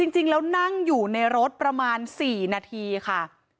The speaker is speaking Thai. จริงแล้วนั่งอยู่ในรถประมาณ๔นาทีค่ะ